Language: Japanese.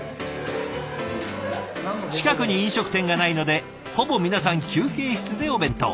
近くに飲食店がないのでほぼ皆さん休憩室でお弁当。